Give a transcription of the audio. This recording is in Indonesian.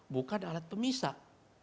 bukan alat pemisah